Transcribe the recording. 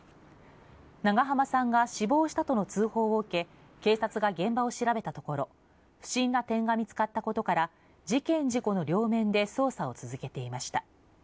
長浜さんが死亡したとの通報を受け、警察が現場を調べたところ、不審な点が見つかったことから、事件、事故の両面で捜査を続けていました。